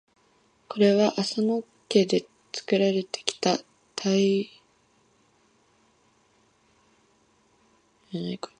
これは浅野家で伝えられてきた「太閤様御覚書」に記されています。